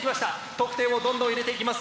得点をどんどん入れていきます